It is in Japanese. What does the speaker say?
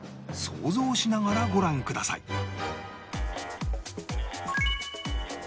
想像しながらご覧ください